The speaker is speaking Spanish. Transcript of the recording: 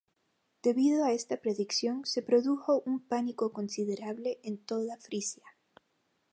Debido a esta predicción, se produjo un pánico considerable en toda Frisia.